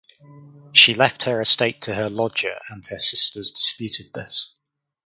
She left her estate to her lodger and her sisters disputed this.